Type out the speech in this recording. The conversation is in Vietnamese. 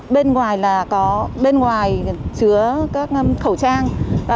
bên ngoài là có bên ngoài chứa các khẩu trang